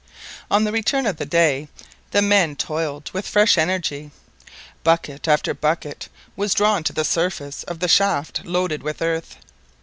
On the return of day the men toiled with fresh energy, bucket after bucket was drawn to the surface of the shaft loaded with earth.